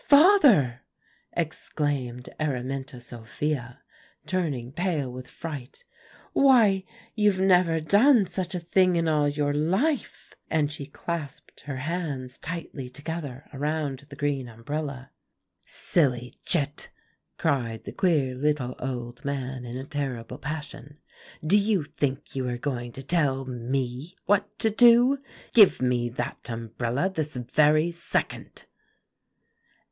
"'Father!' exclaimed Araminta Sophia, turning pale with fright, 'why, you've never done such a thing in all your life;' and she clasped her hands tightly together around the green umbrella. "'Silly chit!' cried the queer little old man in a terrible passion, 'do you think you are going to tell me what to do? Give me that umbrella this very second.